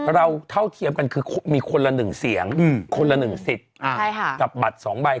เท่าเทียมกันคือมีคนละ๑เสียงคนละ๑สิทธิ์กับบัตร๒ใบ